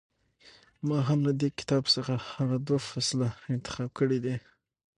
ما هم له دې کتاب څخه هغه دوه فصله انتخاب کړي دي.